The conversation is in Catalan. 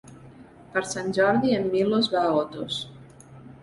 Per Sant Jordi en Milos va a Otos.